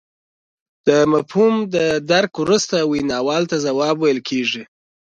د مفهوم د درک وروسته ویناوال ته ځواب ویل کیږي